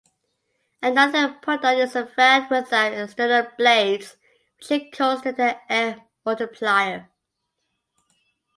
Another product is a fan without external blades, which he calls the "Air Multiplier".